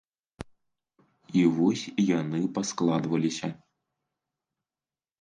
І вось яны паскладваліся.